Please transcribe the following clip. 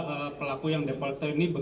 pak pelaku kena undang undang darurat nggak